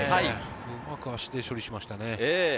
うまく足で処理しましたね。